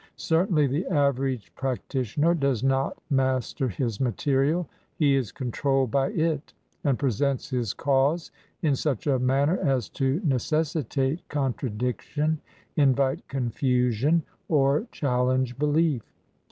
Certainly the average practitioner does not master his material. He is controlled by it, and presents his cause in such a manner as to ne cessitate contradiction, invite confusion, or chal lenge belief.